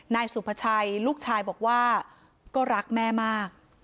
นายสุภาชัยลูกชายบอกว่าก็รักแม่มาก